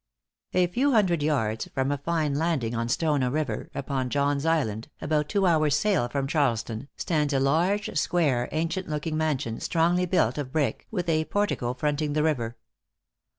A few hundred yards from a fine landing on Stono River, upon John's Island, about two hours' sail from Charleston, stands a large, square, ancientlooking mansion, strongly built of brick, with a portico fronting the river.